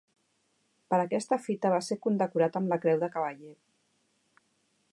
Per aquesta fita va ser condecorat amb la Creu de Cavaller.